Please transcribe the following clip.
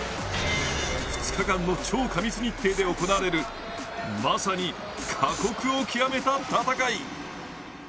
２日間の超過密日程で行われる、まさに過酷を極めた戦い。